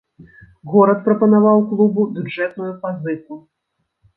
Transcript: Горад прапанаваў клубу бюджэтную пазыку.